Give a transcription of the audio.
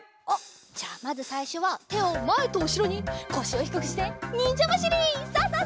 じゃあまずさいしょはてをまえとうしろにこしをひくくしてにんじゃばしり。ササササササ。